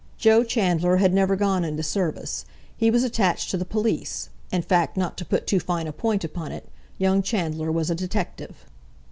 Joe Chandler had never gone into service; he was attached to the police; in fact not to put too fine a point upon it, young Chandler was a detective.